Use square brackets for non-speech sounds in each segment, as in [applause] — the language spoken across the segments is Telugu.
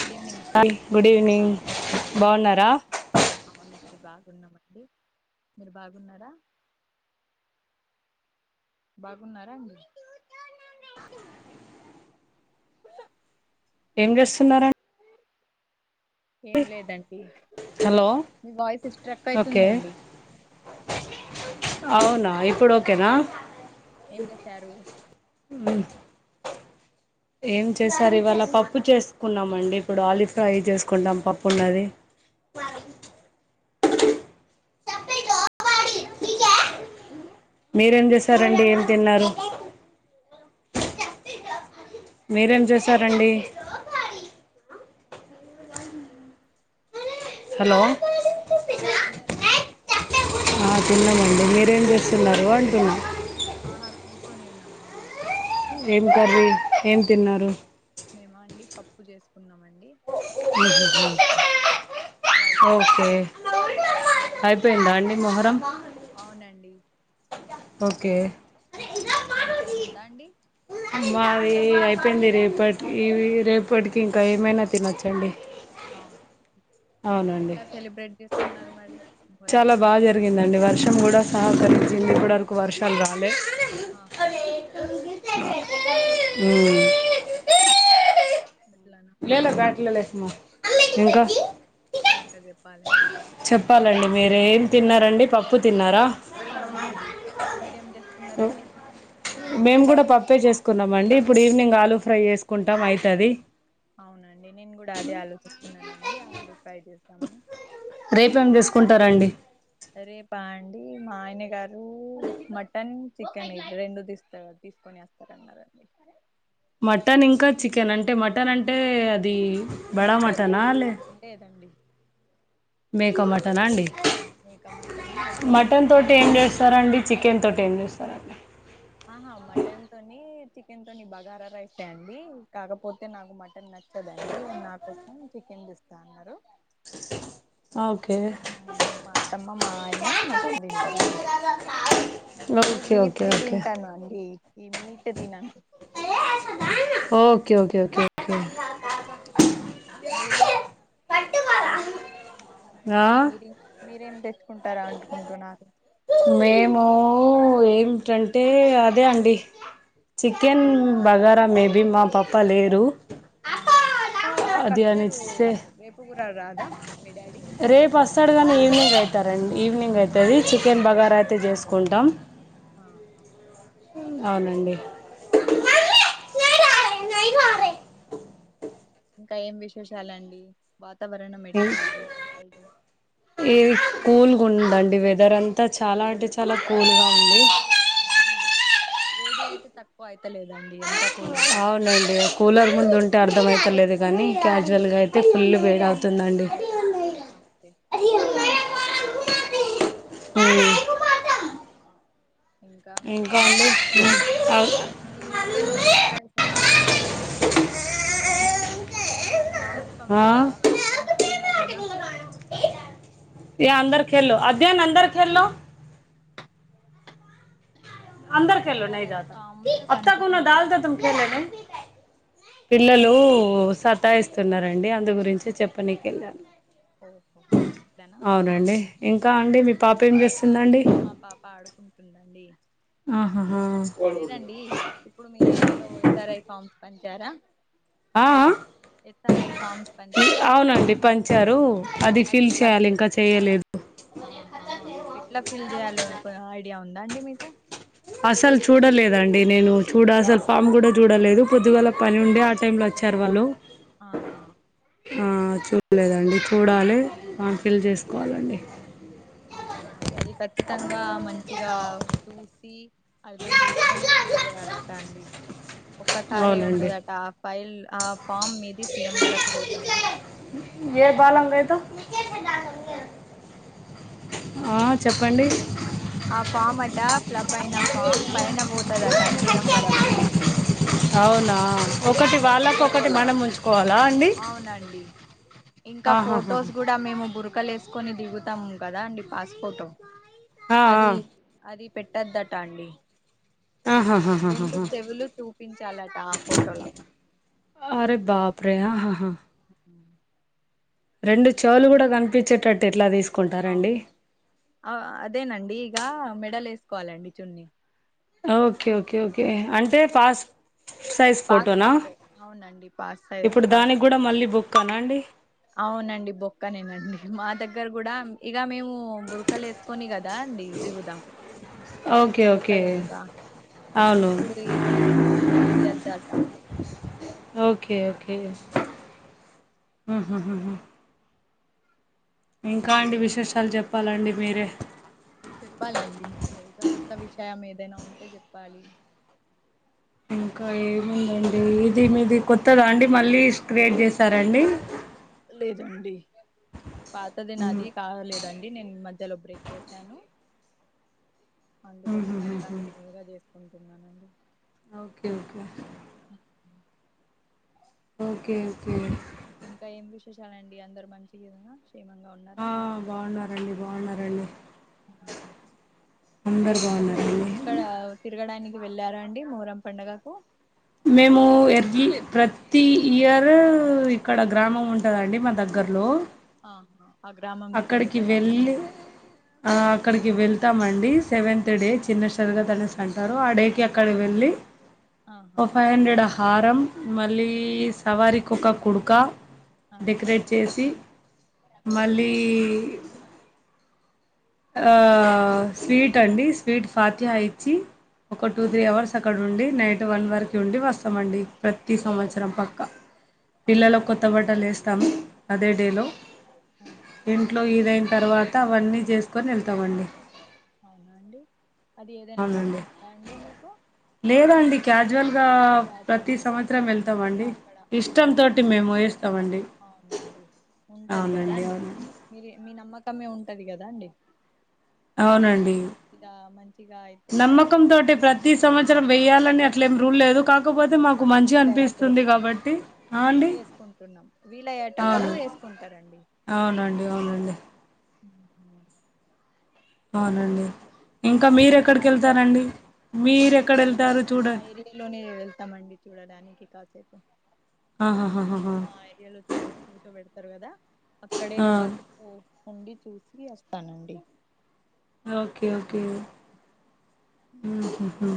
Good evening hello good evening hi ఏం బాగున్నారా చేస్తున్నారు అవునండి బాగున్నామండి మీరు బాగున్నారా బాగున్నారా అండి కూర్చో ఏం చేస్తున్నారు ఏం లేదంటీ హలో మీ వాయిస్ స్ట్రక్ ఓకే అయితుందండి అవునా ఆ ఇప్పుడు ఓకేనా ఏం చేసారు ఉం ఏం చేశారు ఇవాళ పప్పు చేసుకున్నామ అండి ఇప్పుడు ఆలు ఫ్రై చేసుకుంటాం పప్పు ఉండాది బ మీరేం చేశారండి ఏం తిన్నారు మీరేం చేశారండి హలో ఆ తిన్నారా అండి ఆ తిన్నమండి మీరేం చేస్తున్నారు అంటునా ఆహా కూర్చొని ఉన్నామండి ఏం కర్రీ ఏం తిన్నారు మేమా అండి పప్పు చేసుకున్నాము అండి [unintelligible] రైస్ ఓకే ఇప్పుడు అయిపోయిందా అండి మొహరం అవునండి అయిపోయి ఓకే మీదయిందా అండి ఆ మా అది అయిపోయింది రేపటికి ఇవి రేపటికి ఇంకా ఏమైనా తినొచ్చండి అవును అవునండి ఎట్లా సెలబ్రేట్ చేసుకున్నారు మరి మొహరం చాలా బాగా పండుగ జరిగిందండి వర్షం కూడా సహకరించింది ఇప్పటివరకు వర్షాలు రాలే ఆహా ఉం గట్లానా [unintelligible] లేలే బ్యాట్లో లేసుమా ఇంకా ఇంకా చెప్పాలండి చెప్పాలండి మీరే ఏం తిన్నారండి పప్పు తిన్నారా అవునండి మీరేం హలో చేసుకున్నారండి మేము కూడా పప్పే చేసుకున్నామ అండి ఇప్పుడు ఈవినింగ్ ఆలు ఫ్రై చేసుకుంటాం అయితది అవునండి నేను కూడా అదే ఆలోచిస్తున్నానండి ఆలు ఫ్రై చేదామని రేపేం తీసుకుంటారా అండి రేపా అండి మా ఆయన గారు మటన్ చికెన్ ఇది రెండు తీస్తారు కదా తీసుకొని వస్త సరేన్నారండి [unintelligible] మటన్ ఇంకా చికెన్ అంటే మటన్ అవును అంటే అది బడా మేకది మటనా అండి లే లేదండి మటనా మేక అండి ఆ మేక మటను అది నేను తినను అండి చికెన్తోటి ఏం చేస్తారు ఆహా మటన్ తోని చికెన్ తోని బగారా రైసే అండి కాకపోతే నాకు మటన్ నచ్చ చదండి నా కోసం చికెన్ తేస్తా అన్నారు ఓకే మా అత్తమ్మ మా ఆయనే మటన్ తింటారండి నేను ఓకే ఓకే బీఫ్ది ఓకే తింటాను అండి ఈ మీట్ తినండి ఓకే ఓకే ఓకే ఓకే మీరు పట్టువాల మీరే మీరేం తెచ్చుకుంటారా అంటుకుంటున్నారు మేము ఏటంటే అదే అండి చికెన్ మ బగారా మేబీ మా పప్ప లేరు ఆహా రేపు అది అస్తరు అనిస్తే రేపు కూర రాదా మీ డాడీ రేపు వస్తాడు కానీ ఈవినింగ్ అయితారండి ఈవినింగ్ ఆహా అయితది ఈవినింగ్ చికెన్ బగారా అయితే చేసుకు కుంటాం ఆహ అవునండి అవును నైహూ ఆర్ఐ ఇంకా ఏం విశేషాలండి వాతావరణం ఎట్లా ఉంది రై ఇవి కూల్గా ఉందండి వెదర్ అంతా చాలా అంటే చాలా కూల్గా ఉంది వేడీ అయితే తక్కువ అయితలేదండి ఎంత కూల్ ఉంటది అవునండి కూలర్ ముందు ఉంటే అర్థంమయితలేదు గానీ క్యాజువల్గా అయితే ఫుల్ వేడవుతుందండి నండి బయట ఓకే ఇంకా ఇంకా మీ అవ్ మీ ఏరియాలో ఎస్సారెస్ సర్వే జరుగుతుందా అండి ఫార్మ్స్ ఆ పంపుతా పంచుతున్నారు గదా హే అందర్ కెల్లో ఆధ్యాన్ అందర్ ఖెల్లో [inaudible] అందర్ ఖెలో నై పెట్టారు అవి జతా పామ్స్ అబ్ తకున్న పంచుతున్నాయి కదా డాల్దేతు తుమ్ ఖెల్లెతె పిల్లలు సతాయిస్తున్నారండి అందు గురించి చెప్పనికి ఎల్లాను ఓహో అట్లనా అవునండి ఇంకా అండి మీ పాప ఏం చేస్తుందండి మా పాప ఆడుకుంటుందండి ఆహాహా లేదండి ఇప్పుడు మీ ఏరియాలో ఎస్ఆర్ఐ ఫార్మ్స్ పంచారా ఆ ఎస్ఆర్ఐ ఫామ్స్ ఆ పంచారా అంటే అవునండి పంచారు అది ఫిల్ చేయాలి ఇంకా చెయలేదు ఆహ ఎట్లా ఫిల్ చేయాలో ఒక ఐడియా ఉందా అండి మీకు అసలు చూడలేదండి నేను చూడ సలు ఫామ్ కూడా చూడలేదు పొద్దుగాల పని ఉండే ఆ టైంలో వచ్చారు వాళ్ళు ఆహా ఆ చూడలేదండి చూడాలే ఫాం ఫిల్ చేసుకోవాలండి అవునా అండి అది ఖచ్చితంగా మంచిగా చూసి అర్ధం చేసుకుని ఫీల్ చేయాలట అండి ఒక్కసారే అవునండి ఉంటదట ఆ ఫైల్ ఆ ఫామ్ మీద సీఎం వరకు పోతదట ఏ బాలం గయ్ తో ఆ చెప్పండి అట్లా ఆ ఫామ్ అట ఫ్లప్ అయిన ఫామ్ పైన పోత్ తదట సీఎం వరకు అవునా ఒకటి వాళ్ళకోకటి మనం ఉంచుకోవాలా అండి అవునండి ఇంకా ఆహాహా. ఫొటోస్ కూడా మేము బుర్ఖలెసుకొని దిగుతాము కదా అండి పాస్పోటో ఆ, అది ఆ. అది పెట్టొద్దట అండి రెండు ఆహాహాహాహా. చెవులు చూపించాలట ఆ ఫోటోలో అరే బాప్రే హహా రెండు చెవులు కూడా కనిపించేటట్టు ఏట్ల అవును అదేనండి ఇక మెడలో వేసుకోవాలండి చున్ని ఓకే ఓకే ఓకే అంటే పాస్ సైజ్ ఫోటోనా పాస్పోర్ట్ అవునండి పాస్ ఇప్పుడు దానికి పాస్పోర్ట్ కూడా మళ్ళీ బుక్కానండి అవునండి బొక్కానేనండి మా దగ్గర కూడా ఇక మేము బుర్ఖలెసుకొని కదా అండి దిగుదాం ఓకే ఎక్కడ ఓకే ఇంకా కానీ అవును ఇప్పుడు ఈ దీంట్లో అది వద్దట ఓకే ఓకే ఉహు హుహు ఇంకా అండి విశేషాలు చెప్పాలండి మీరే చెప్పాలండి మీరే ఇక కొత్త విషయం ఏదైనా ఉంటే చెప్పాలి ఇంకా ఏముందండి ఇది మీది కొత్తదా అండి మళ్ళీ క్రియేట్ చేసారండి లేదండి పాతదే హ్మ్. నాది కావాలెదండి నేను ఈ మధ్యలో బ్రేక్ చేశాను అందుకోసం అది హుహుహుహు. కంటిన్యూగా చేసుకుంటున్నానండి ఓకే ఓకే అ ఓకే ఓకే ఇంకా ఏం విశేషాలండి అందరు మంచిగేదనా ఆ బాగున్నారండి బాగున్నారండి అందరు బాగున్నారా మీరు ఇక్కడ తిరగడానికి వెళ్ళారండి మోరం పండుగకు మేము ఎర్లి ప్రతి ఇయర్ ఇక్కడ గ్రామం ఉంటదండి మా దగ్గరలో ఆహా ఆ గ్రామంకి అక్కడికి చెందుతరా వెళ్ళి ఆ అక్కడికి వెళ్తామండి సెవెంత్ డే చిన్నసరిగా తనేసు అంటారు ఆ డే కి అక్కడ వెళ్ళి ఆహా ఒక ఫైవ్ హండ్రెడ్ హారం మళ్ళీ సవారికోక కుడుక ఆహా డెకరేట్ చేసి ఓహో మళ్ళీ ఆ స్వీట్ అండి స్వీట్ ఫతిహ ఇచ్చి ఒక టూ ఆహా త్రీ అవర్స్ అక్కడ ఉండి నైట్ వన్ వరకు ఉండి వస్తమండి ప్రతి అవునా సంవత్సరం అండి? పక్క అవునా పిల్లలు అండి? కొత్త బట్టలు వేస్తాము అదే ఆ, డేలో ఆహా ఇంట్లో ఈదైన తర్వాత అవన్నీ చేసుకొని వెళ్తామండి అవునా అండి అది ఏదైనా అవునండి మొక్కుందా అండి మీకు లేదండి క్యాజువల్గా రాజువారి ప్రతి మీకు సంవత్సరం ఇష్టం ఇక వెళ్తామండి అక్కడ ఉమ్, ఇష్టంతోటి మేము వేస్తామండి అవునండి ఉంటది కదా అవునండి అండి అవునండి మీరు మీ నమ్మకమే ఉంటది కదా అండి మీగ అవునండి ఏదైనాద మంచిగా అయితే ఆ తోటే ప్రత్ ప్రతి సంవత్సరం వెయాలని అట్లే ఏం రూల్ లేదు కా కాకపోతే మాకు ఆహా మంచి వీలయ్యేప్పుడు అనిపిస్తుంది కాబట్టి ఆ అండి అవును కుంటారండి అవునండి అవునండి ఉ అవునండి ఇంకా మీ అన్నగారు మాకు మీరెక్కడికెళ్తరండి మీరెక్కడ ఎళ్తారో చూడన్ సిటీలోనే వెళ్తామండి చూడడానికి కాసేపు ఆహా హా హా హా ఇయాల అటు కూర్చో పెడతరు గదా అక్కడే కాసేప్ ఉ ఉండి చూసి వస్తానండి. ఓకే ఓకే మ్ హ్ హ్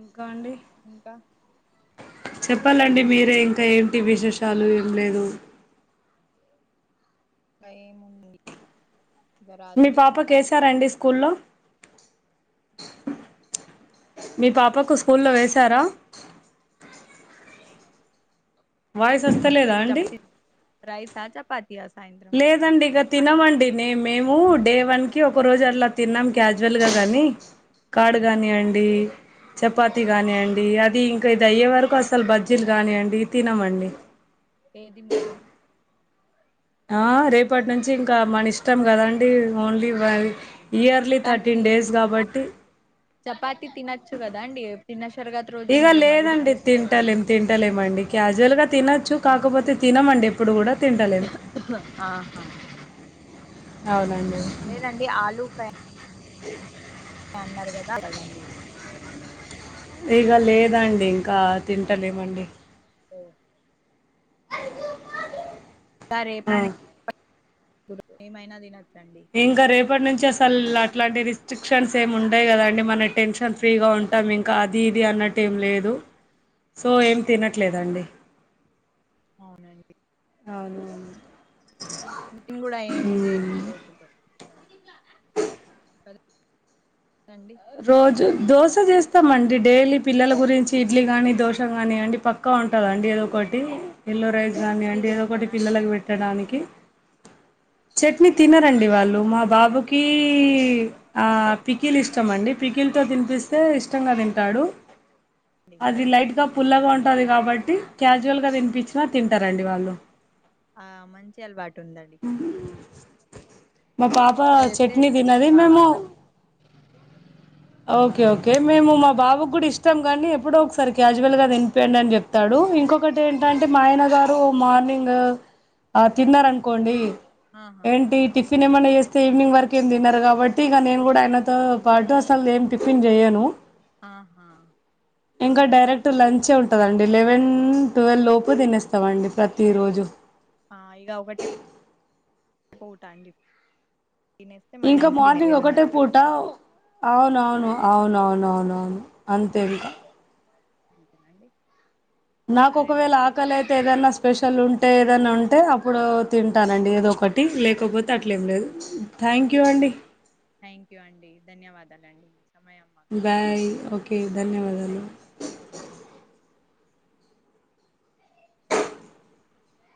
ఇంకా అండి ఇంకా చెప్పాలండి మీరే ఇంకా ఏంటి విశేషాలు ఏం లేదు. ఇంకా ఏముంది. ఇక మీ రాత్రి వంట పాపక్ ఏసారా అండి స్కూల్లో మీ పాపకు స్కూల్లో వేసారా? వాయిస్ అస్తల్ మీరు చప్తి రైసా చపాతియాస్ లేదండి ఇగ తినమండి నే మేము డే వన్కి ఒక రోజు అలా తినం క్యాజువల్గ గని కార్డ్ ఆహా గానీయండీ చపాతి గానియండీ అది ఇంకా ఇదయ్యే వరకు అసల్ బజ్జిల్ గానియండి తినమండి. ఏది ముట్టరు. ఆ రేపట్నుంచి ఇంకా మనిష్ ష్టం గదండి ఓన్లీ అది అవునండి ఇయర్లీ కానీ థర్టీన్ డేస్ కాబట్టి చపాతి తినచ్చు కదా అండి చిన్న సరఘత్ రోజు మిలింద మీరు చేస్కోరా లేం తింటలేమండి. క్యాజువల్గా తినచ్చు కాకపోతే తినమండి ఎప్పుడు గుడ ఆహా అవునండి లేదండి ఆలూ ఫ్రై అన్నారు గదా కదండి ఇగ లేదండి ఇంకా తింటలేమండి. రేప్ ఆ ఏమైనా తినచ్చండి. ఇంకా రేపట్నుంచి అసల్ అట్లాంటి రిస్ట్రిక్షన్స్ ఏం ఉండయి కదండి మనం టెన్షన్ ఫ్రీగా ఉంటాం ఇంకా అద్ ఇది ఇది అన్నట్ ఏం లేదు సో ఏం తినట్లేదండి. అవునండి. అవును టిఫిన్ గుడ ఏం చేయ ఈ ఉమ్. రోజుల్లో అన్ని రోజు దోశ చేస్తామండి డైలీ పిల్లల గురించి ఇడ్లీ గాని దోశ గాని అండి పక్కా ఉంటదా అండి ఏదో ఒకటి ఎల్లో రైస్ గానియండి ఏదో ఒకటి చేస్తారా అండి పిల్లలక్ పెట్టడానికి చట్నీ తింటారా అండి తినరండి వాళ్ళు మా బాబుకీ ఆహా ఆ పికిల్ ఇ ఇష్టమండి పికిల్తో తిన్పిస్తే ఇష్టంగా తింటాడు. అండి అది లైట్గా మంచిదే పుల్లగా మరి ఉంటాది కాబట్టి క్యాజువల్గ తినిపిచ్చిన తింటారండి వాళ్ళు. హా మంచి అలవాటుందండి. మా పాప అప్పుడు చెప్తే చట్నీ తినది మేము కావాలి ఓకే ఓకే మేము మా బాబుక్ గుడ ఇష్టం గనీ ఎప్పుడో ఒక్సారి క్యాజువల్గా తిన్ పోయిండన్ జెప్తాడు ఇంకొకట్ టేంటంటే మా ఆయన గారు మార్నింగ్ ఆ తిన్నార్ అనుకోండి ఆహా ఏంటి టిఫిన్ ఏమన్నా చేస్తే ఈవినింగ్ వరకు ఏమి తిన్నరు కాబట్టి ఇక నేను కూడా అయిన తో పాటు అసలు ఏం టిఫిన్ జేయను ఆహా ఇంకా డైరెక్ట్ లంచే ఉంటదండి లెవెన్ ట్వెల్వ్ లోపు తినేస్తామండి ప్రతి రోజు ఆ ఇగ ఒకటి పోతాండి ఇంకా మార్నింగ్ ఒకటే ఏడున్నర వరకు పూట అవునవును అవునవునవునవును అంతే ఇంకా అంతేనా అండి నాకు ఒకవేళ ఆకలి అయితే ఏదైనా స్పెషల్ ఉంటే ఏదన్నా ఉంటే అప్పుడు తింటానండి ఏదో ఒకటి లేకపోతే ఆ, అట్లేం లేదు థ్యాంక్ యూ అవునా అండి థ్యాంక్ యూ అండి ధన్యవాదాలండి మీ సమయం మాకు బాయ్ ఓకే ధన్యవాదాలు కేటాయించినందుకు అ